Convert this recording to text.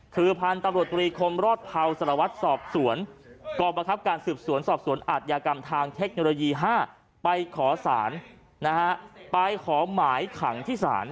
ทืพาญนี่ก้อนประคับการสืบสวนอาจยากรรมทางเทคโนโลยี๕ไปขอไม้ขังที่สาร